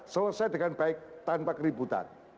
selesai dengan baik tanpa keributan